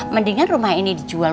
mendingan rumah ini dijual